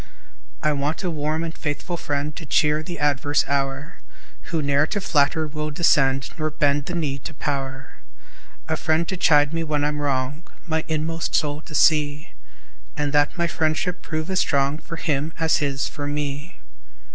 I want a warm and faithful friend, To cheer the adverse hour, Who ne'er to flatter will descend, Nor bend the knee to power, A friend to chide me when I'm wrong, My inmost soul to see; And that my friendship prove as strong For him as his for me.